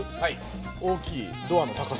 大きいドアの高さ。